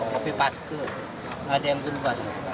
tapi pasti ada yang berubah